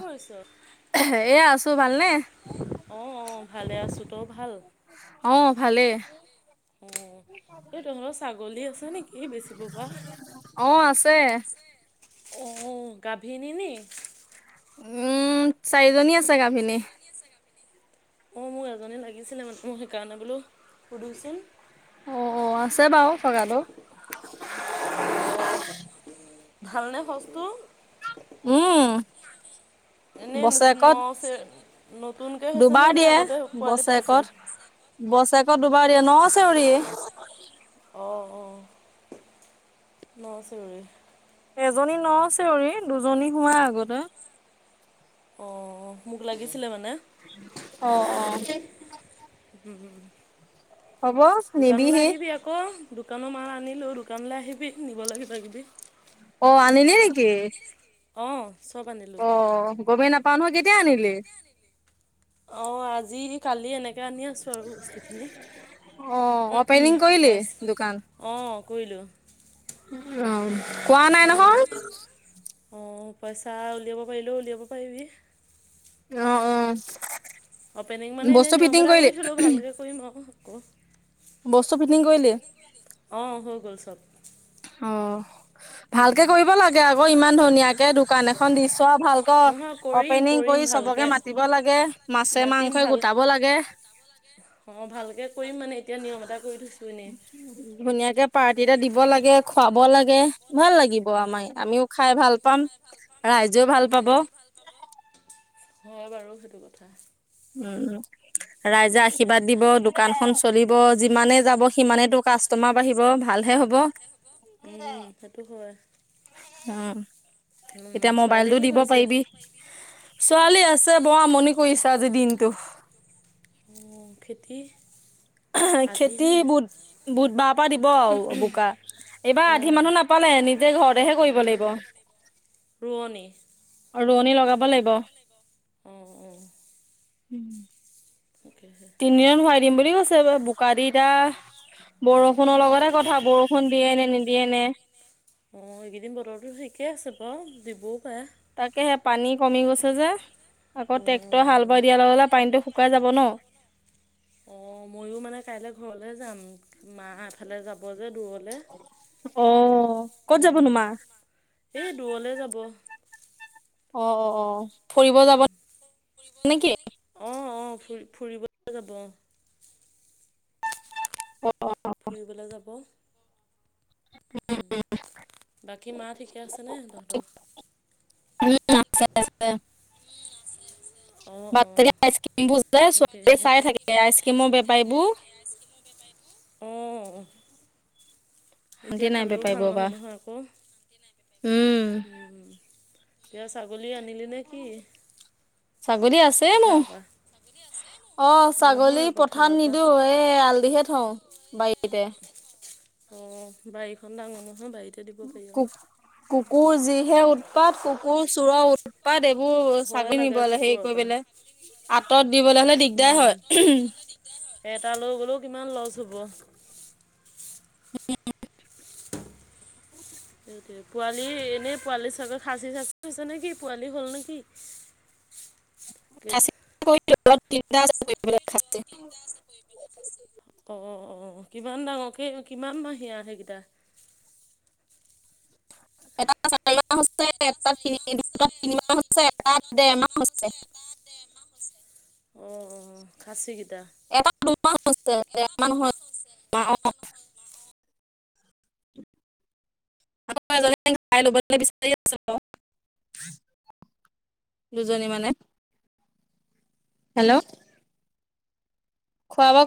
কি কৰিছ এয়া আছো ভালনে? অ, অ ভালে আছো তোৰ ভাল। অ'হ। ভালে। অ এ তহতৰ ছাগলী আছে নেকি বেচিব পৰা? অহঁ আছে। অ গাভিনী নি? উম চাৰিজনী আছে গাভিনী। অঁহ মোক এজনী লাগিছিলে মানে সেইকাৰণে বোলো সুধোছো। অ' অ' আছে বাৰু থকাটো। [unintelligible] অঁ ভালনে সজটো? উ'ম। এনেই ন বছেকত চে নতুনকৈ হৈছেনে দুবাৰ নে আগতে দিয়ে পোৱালি পাইছে? বছেকত। বছেকত দুবাৰ ন চেউৰি। অঁ অঁ ন চেউৰি। এজনী ন চেউৰি দুজনী হোৱাই আগতে। অহঁ মোক লাগিছিলে মানে। অহ, অহ। উম হম হ'ব দোকানলৈ নিবিহি আহিবি আকৌ। অঁহ দোকানৰ মাৰ আনিলো দোকানলে আহিবি নিবলে কিবা কিবি। অ আনিলি নেকি? অহঁ। অ গমেই নাপাওঁ নহয় কেতিয়া আনিলি? অঁ আজি। কালি এনেকে আনি আছোঁ আৰু বস্তুখিনি অ' অপেনিং কৰিলি পইছ দোকান? অঁ কৰিলোঁ। অ কোৱা নাই নহয়। অঁ পইচা উলিয়াব পাৰিলেও উলিয়াব পাৰিবি। অঁ অঁ। অপেনিং মানে এনেই নিয়ম এতা কৰি থলোঁ ভালকে কৰিম আও আকৌ। বস্তু ফিটিং কৰিলি? অ হৈ গ'ল চব। অ উম, ভালকে কৰিব লাগে আকৌ ইমান ধুনীয়াকে দোকান এখন দি চোৱা ভালক নহয় কৰিম অপেনিং কৰিম কৰি চবকে ভালকৈ মাতিব লাগে। মাছে মাতিম মাংসই ভাল গোটাব লাগে। অঁ ভালকে কৰিম মানে এতিয়া নিয়ম এটা কৰি থৈছো এনেই। ধুনীয়াকে পাৰ্টি এটা দিব লাগে। খুৱাব লাগে ভাল লাগিব আমিও খাই ভাল পাম। ৰাইজেও ভাল পাব, হয় বাৰু সেইটো কথা। উম ৰাইজা আ আশীৰ্বাদ দিব দোকানখন চলিব যিমানে যাব সিমানেই টো কাষ্টমাৰ বাঢ়িব ভালহে হ'ব। উম উম সেইটো হয়। উম তেতিয়া ছোৱালীয়ে মোবাইলতটো কি দিব কৰিছে পাইবি। ছোৱালী আছে বৰ আমনি কৰিছে আজি দিনটো। উম খেতি? আহ আধি খেতি নে বুধ বুধ বাৰ পৰা দিব আও বোকা। এইবাৰ আধি অঁ মানুহ নাপালে নিজে ঘৰতেহে কৰিব লাগিব ৰোৱণি অ ৰোৱনী লগাব লাগিব অঁ অঁ উম। তাকে হে, ডিজেল ভৰাই দিম বুলি কৈছে গাড়ী এতিয়া বৰষুণৰ লগতে কথা বৰষুণ দিয়ে নে নিদিয়ে নে নে। অঁ এইকেইদিন বতৰটো ঠিকে আছে বাও দিবও পাৰে। তাকে হে পানী কমি গৈছে যে আকৌ টেক্টৰে হাল বাই অঁ দিয়াৰ লগে লগে পানীটো শুকাই যাব ন? অঁ ময়ো মানে কাইলে ঘৰলে যাম মা এফালে যাব যে দূৰলে। অঁ ক'ত যাবনো মা? এই দূৰলে যাব। অহ ফুৰিব যাব নেকি? অঁ অঁ ফুৰি ফুৰিবলে যাব অহ। অ ফুৰিবলে যাব। উম, বাকী মা ঠিকে আছেনে তহঁতৰ? উম আছে আছে। অঁ বাত অঁ আইচ ক্ৰীম বোৰ তাকেহে চাই থাকে আইচ ক্ৰীমৰ বেপাৰীবোৰ [unintelligible] অঁহ। শান্তি এতিয়া নাই খালেও ভাল বেপাৰীবোৰৰ পৰা নহয় নহয় আকৌ, উম। উম। এতিয়া ছাগলী আনিলি নে কি? ছাগলী আছে মোৰ পথাৰ পা? অ ছাগলী পথাত পৰা নিদো এই আলদিহে থওঁ বাইতে অ বাৰীখন ডাঙৰ নহয় বাৰীত কু কুকুৰ যিহে উৎপাত কুকুৰ চোৰ পাত এইবোৰ ভয় ছাগলী লাগে নিবলে হেৰি কুকুৰৰ পৰা কইবলে আঁতৰত দিবলৈ হ'লে দিগদাৰ হয়। এটা লৈ গ'লেও কিমান লছ হব। সেইটো পোৱালি এনেই পোৱালি চবে খাচি চাচি হৈছে নেকি পোৱালি হ'ল নেকি? [inaudible] খ কৰি অল চিন্তা খ [inaudible] অঁ অঁ কিমান ডাঙৰ ক কিমান বাহিয়া সেইকেইটা? এটা চাৰি মাহ হৈছে এটাত তিনি দুটা তিনি মাহ হৈছে এটাত দেৰ মাহ হৈছে। খাচী কেইটা এটা দুমাহ হৈছে দেমাহ নহয় [unintelligible] দুজনী মানে হেল্ল' খোৱা খোৱা